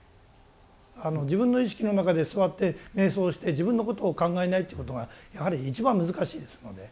自分の意識の中で座って瞑想して自分のことを考えないってことがやはり一番難しいですので。